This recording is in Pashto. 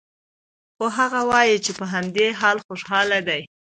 خو هغه وايي چې په همدې حال خوشحال دی